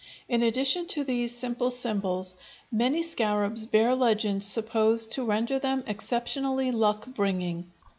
In addition to these simple symbols, many scarabs bear legends supposed to render them exceptionally luck bringing.